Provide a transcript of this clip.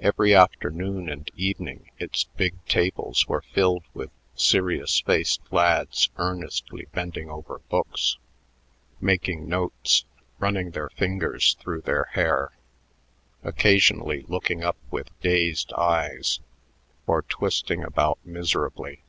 Every afternoon and evening its big tables were filled with serious faced lads earnestly bending over books, making notes, running their fingers through their hair, occasionally looking up with dazed eyes, or twisting about miserably.